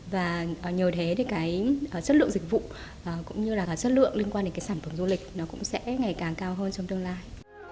và nhờ thế chất lượng dịch vụ cũng như chất lượng liên quan đến sản phẩm du lịch cũng sẽ ngày càng cao hơn trong tương lai